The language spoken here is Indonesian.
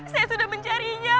saya sudah mencarinya